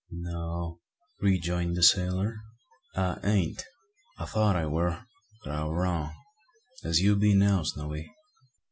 "No," rejoined the sailor, "I ain't. I thought I war; but I war wrong, as you be now, Snowy.